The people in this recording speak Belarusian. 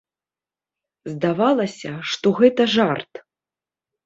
Здавалася, што гэта жарт.